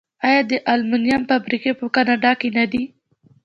آیا د المونیم فابریکې په کاناډا کې نه دي؟